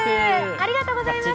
ありがとうございます。